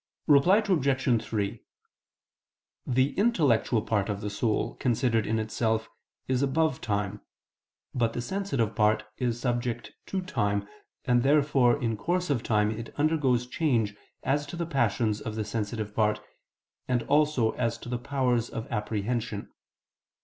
Reply Obj. 3: The intellectual part of the soul, considered in itself, is above time, but the sensitive part is subject to time, and therefore in course of time it undergoes change as to the passions of the sensitive part, and also as to the powers of apprehension.